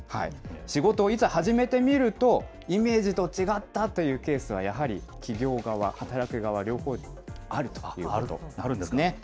仕事をいざ始めてみると、イメージと違ったというケースがやはり企業側、働き手側、両方あるということなんですね。